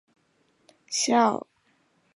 孝端文皇后。